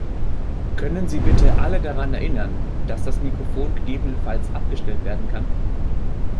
Könnten Sie bitte alle daran erinnern, dass das Mikrofon gegebenenfalls abgestellt werden kann?